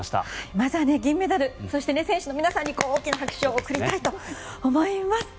まずは銀メダル選手の皆さんに大きな拍手を送りたいと思います。